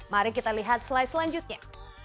mari kita lihat slide selanjutnya